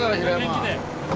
元気で。